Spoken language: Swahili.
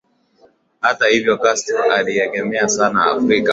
Hata hivyo Castro aliegemea sana Afrika